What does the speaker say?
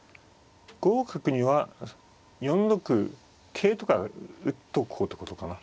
５五角には４六桂とか打っとこうってことかな。